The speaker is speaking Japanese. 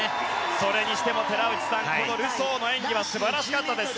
それにしても寺内さんルソーの演技は素晴らしかったですね。